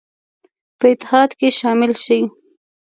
په اتحاد کې شامل شي.